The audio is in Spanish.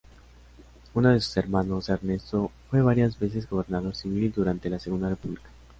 Uno de sus hermanos, Ernesto, fue varias veces gobernador civil durante la Segunda República.